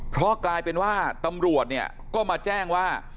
เพราะกลายเป็นว่าตำรวจเนี่ยก็มาแจ้งว่า